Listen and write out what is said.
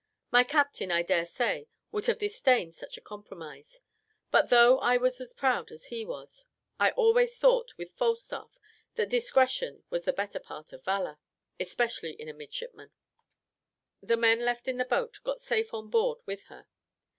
My captain, I daresay, would have disdained such a compromise; but though I was as proud as he was, I always thought, with Falstaff, that "discretion was the better part of valour," especially in a midshipman. The men left in the boat got safe on board with her.